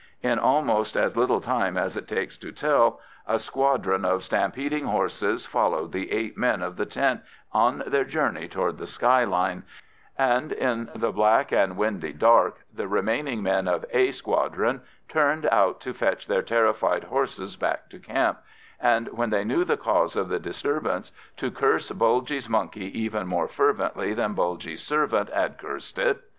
In almost as little time as it takes to tell, a squadron of stampeding horses followed the eight men of the tent on their journey toward the skyline, and in the black and windy dark the remaining men of "A" Squadron turned out to fetch their terrified horses back to camp, and, when they knew the cause of the disturbance, to curse Bulgy's monkey even more fervently than Bulgy's servant had cursed it.